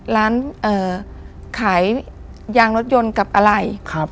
ร้านขายยางรถยนต์กับอะไร